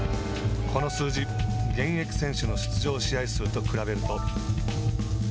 この数字、現役選手の出場試合数と比べると。